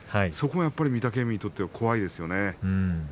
そこがやっぱり御嶽海にとっては怖いですよね。